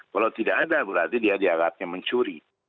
kalau tidak ada berarti dia dianggapnya mencuri